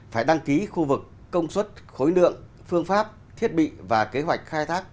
phải đăng ký khu vực công suất khối lượng phương pháp thiết bị và kế hoạch khai thác